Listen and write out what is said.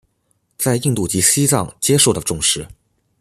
在印度及西藏皆受到重视。